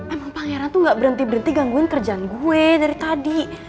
emang pangeran tuh gak berhenti berhenti gangguin kerjaan gue dari tadi